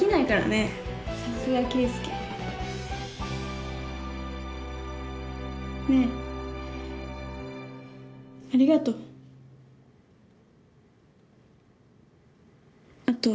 ねえありがとう。あと。